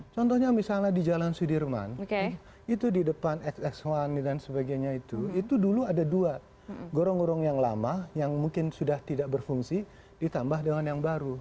contohnya misalnya di jalan sudirman itu di depan xx satu dan sebagainya itu itu dulu ada dua gorong gorong yang lama yang mungkin sudah tidak berfungsi ditambah dengan yang baru